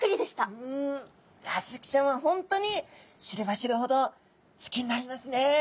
いやスズキちゃんは本当に知れば知るほど好きになりますね。